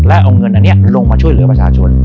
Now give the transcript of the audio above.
และเอาเงินอันนี้ลงมาช่วยเหลือประชาชน